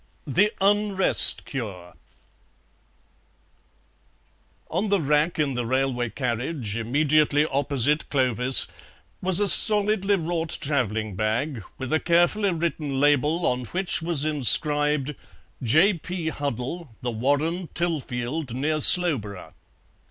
THE UNREST CURE On the rack in the railway carriage immediately opposite Clovis was a solidly wrought travelling bag, with a carefully written label, on which was inscribed, "J. P. Huddle, The Warren, Tilfield, near Slowborough."